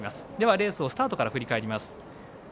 レースをスタートから振り返ります。